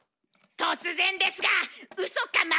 突然ですが「ウソか？